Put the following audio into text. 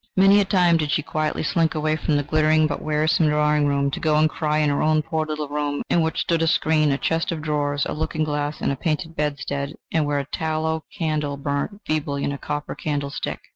Many a time did she quietly slink away from the glittering but wearisome drawing room, to go and cry in her own poor little room, in which stood a screen, a chest of drawers, a looking glass and a painted bedstead, and where a tallow candle burnt feebly in a copper candle stick.